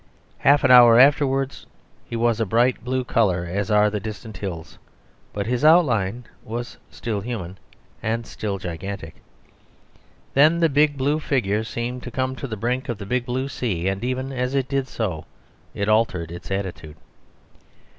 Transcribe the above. Half an hour afterwards he was a bright blue colour, as are the distant hills; but his outline was still human and still gigantic. Then the big blue figure seemed to come to the brink of the big blue sea, and even as it did so it altered its attitude.